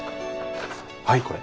はいこれ。